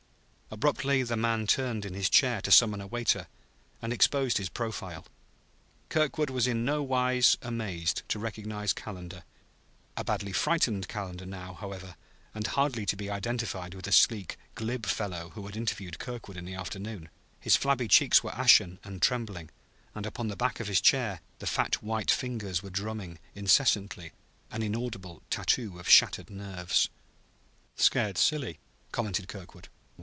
Abruptly the man turned in his chair to summon a waiter, and exposed his profile. Kirkwood was in no wise amazed to recognize Calendar a badly frightened Calendar now, however, and hardly to be identified with the sleek, glib fellow who had interviewed Kirkwood in the afternoon. His flabby cheeks were ashen and trembling, and upon the back of his chair the fat white fingers were drumming incessantly an inaudible tattoo of shattered nerves. "Scared silly!" commented Kirkwood.